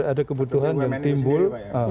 ada kebutuhan yang timbul